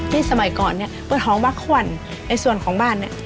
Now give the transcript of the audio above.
ที่สมัยก่อนเนี้ยเปิดหอมบัคควันในส่วนของบ้านเนี้ย